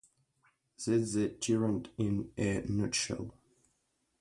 That's the Tyrant in a nutshell.